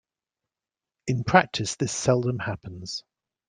In practice, this seldom happens.